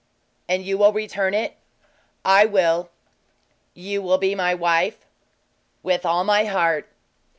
"And you will return it?" "I will." "You will be my wife?" "With all my heart!"